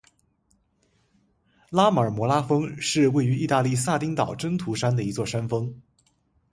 拉马尔摩拉峰是位于义大利撒丁岛真图山的一座山峰。